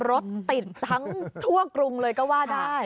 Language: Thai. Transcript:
รถติดทั้งทั่วกรุงเลยก็ว่าได้